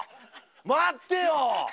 待ってよー。